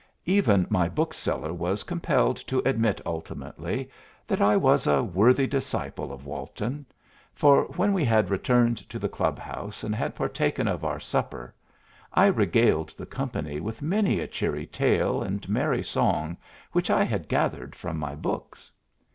Even my bookseller was compelled to admit ultimately that I was a worthy disciple of Walton, for when we had returned to the club house and had partaken of our supper I regaled the company with many a cheery tale and merry song which I had gathered from my books.